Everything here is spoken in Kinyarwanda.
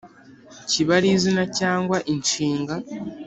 kiba ari izina cyangwa inshinga